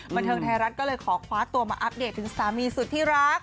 บันเทิงไทยรัฐก็เลยขอคว้าตัวมาอัปเดตถึงสามีสุดที่รัก